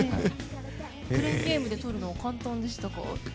クレーンゲームでとるのは簡単でしたか？